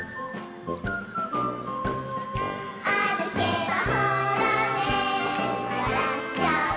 「あるけばほらねわらっちゃう」